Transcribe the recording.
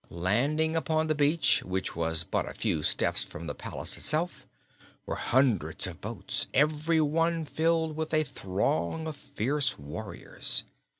Landing upon the beach, which was but a few steps from the palace itself, were hundreds of boats, every one filled with a throng of fierce warriors.